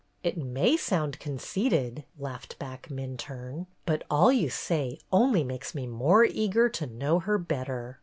"It may sound conceited," laughed back Minturne, "but all you say only makes me more eager to know her better."